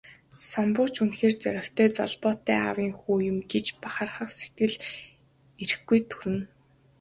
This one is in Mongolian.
Самбуу ч үнэхээр зоригтой, золбоотой аавын хүү юм гэж бахархах сэтгэл эрхгүй төрнө.